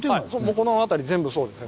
この辺り全部そうですね。